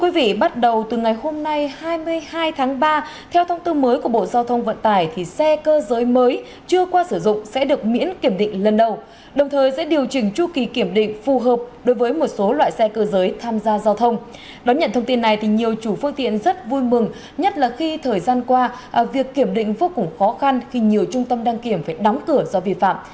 vĩnh phúc cũng khó khăn khi nhiều trung tâm đăng kiểm phải đóng cửa do vi phạm